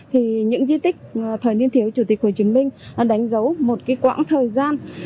thì những di tích thời niên thiếu chủ tịch hồ chí minh đã đánh dấu một quãng thời gian